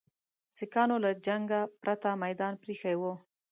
سیکهانو له جنګه پرته میدان پرې ایښی وو.